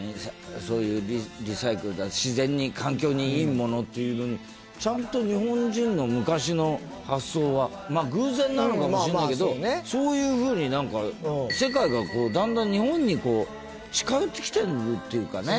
そういうリサイクルだ自然に環境にいいものっていうのにちゃんと日本人の昔の発想はまあ偶然なのかもしれないけどそういう風になんか世界がだんだん日本に近寄ってきてるっていうかね。